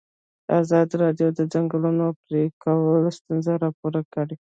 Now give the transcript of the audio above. ازادي راډیو د د ځنګلونو پرېکول ستونزې راپور کړي.